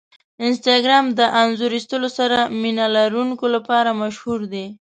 انسټاګرام د انځور ایستلو سره مینه لرونکو لپاره مشهور دی.